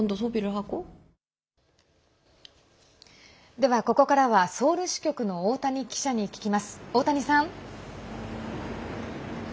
では、ここからはソウル支局の大谷記者に聞きます。